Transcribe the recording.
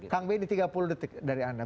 kang ben di tiga puluh detik dari anda